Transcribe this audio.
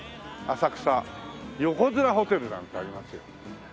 「浅草横綱ＨＯＴＥＬ」なんてありますよ。